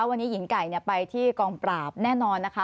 วันนี้หญิงไก่ไปที่กองปราบแน่นอนนะคะ